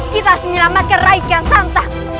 kita harus menyelamatkan raikian santang